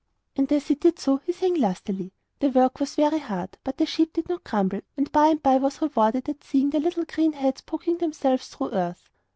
And as he did so he sang lustily. The work was very hard, but the sheep did not grumble, and by and by was rewarded at seeing the little green heads poking themselves through earth.